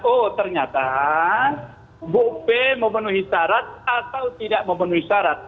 oh ternyata bu p memenuhi syarat atau tidak memenuhi syarat